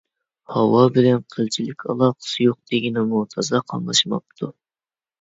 ھاۋا بىلەن قىلچىلىك ئالاقىسى يوق دېگىنىمۇ تازا قاملاشماپتۇ